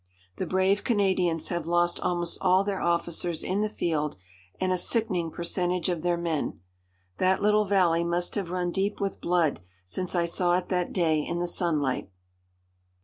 The brave Canadians have lost almost all their officers in the field and a sickening percentage of their men. That little valley must have run deep with blood since I saw it that day in the sunlight.